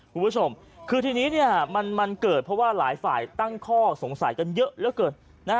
คุณผู้ชมคือทีนี้มันเกิดเพราะว่าหลายฝ่ายตั้งข้อสงสัยกันเยอะเหลือเกิน